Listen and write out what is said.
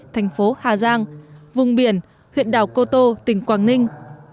thành phố hà giang vùng biển huyện đảo cô tô tỉnh quảng ninh